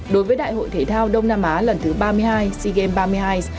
đối với đại hội thể thao đông nam á lần thứ ba mươi hai sea games ba mươi hai